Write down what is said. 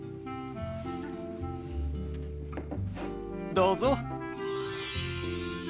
どうぞ。